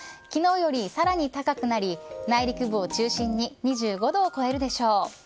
昨日より、さらに高くなり内陸部を中心に２５度を超えるでしょう。